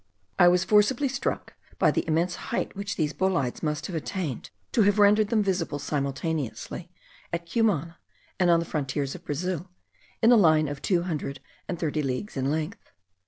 I was forcibly struck by the immense height which these bolides must have attained, to have rendered them visible simultaneously at Cumana, and on the frontiers of Brazil, in a line of two hundred and thirty leagues in length.